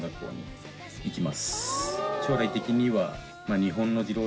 将来的には。